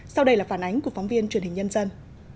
sau đây là phản ánh của phóng viên truyền hình nhân dân